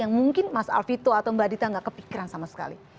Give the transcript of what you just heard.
yang mungkin mas alvito atau mbak dita gak kepikiran sama sekali